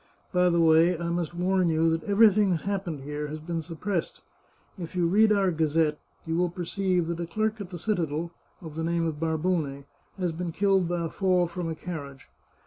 By the way, I must warn you that everything that happened here has been suppressed. If you read our Gazette, you will perceive that a clerk at the citadel, of the name of Barbone, has been killed by a fall from a carriage.